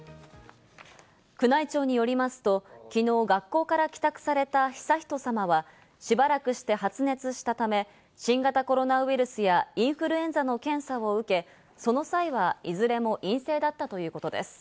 宮内庁によりますと、きのう学校から帰宅された悠仁さまは、しばらくして発熱したため、新型コロナウイルスやインフルエンザの検査を受け、その際はいずれも陰性だったということです。